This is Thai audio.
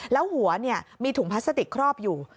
แล้วหัวมีถุงพลาสติกครอบอยู่